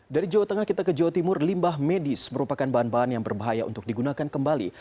dari jawa tengah kita ke jawa timur limbah medis merupakan bahan bahan yang berbahaya untuk digunakan kembali